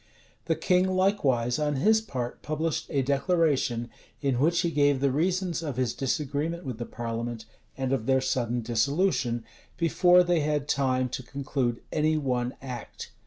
The king likewise, on his part, published a declaration, in which he gave the reasons of his disagreement with the parliament, and of their sudden dissolution, before they had time to conclude any one act.